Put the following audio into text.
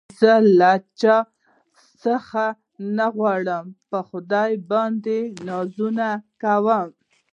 زه له چا څه نه غواړم په خدای باندې نازونه کوم